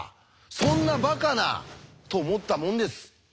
「そんなバカな！」と思ったもんです。